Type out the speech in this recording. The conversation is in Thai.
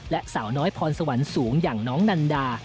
และสาวน้อยพรสวรรค์สูงอย่างน้องนันดา